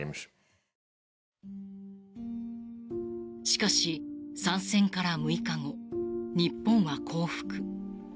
しかし、参戦から６日後日本は降伏。